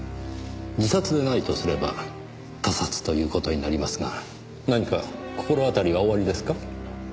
自殺でないとすれば他殺という事になりますが何か心当たりがおありですか？